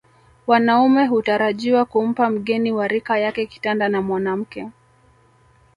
Wanaume hutarajiwa kumpa mgeni wa rika yake kitanda na mwanamke